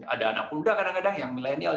ada anak muda kadang kadang yang milenial